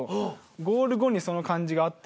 ゴール後にその感じがあって。